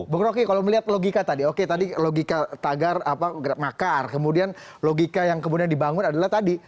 bung roky kalau melihat logika tadi oke tadi logika tagar makar kemudian logika yang kemudian dibangun adalah tadi